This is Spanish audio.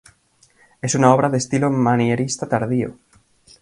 Es una obra de estilo manierista tardío.